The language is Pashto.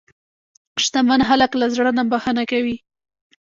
شتمن خلک له زړه نه بښنه کوي.